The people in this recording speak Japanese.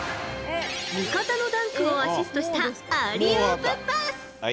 味方のダンクをアシストしたアリウープパス。